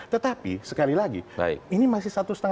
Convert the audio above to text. tetapi sekali lagi ini masih sangat berharga